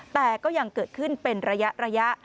แต่ก็ยังเกิดขึ้นเป็นระยะ